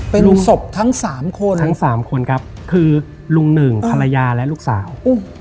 เป็นศพทั้งสามคนทั้งสามคนครับคือลุงหนึ่งภรรยาและลูกสาว